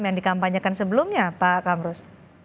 yang dikampanyekan sebelumnya pak kamrus